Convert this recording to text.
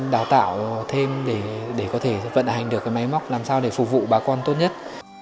đào tạo thêm để có thể vận hành được máy móc làm sao để phục vụ bà con tốt nhất